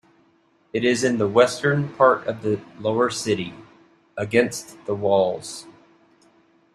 It is in the western part of the lower city, against the walls.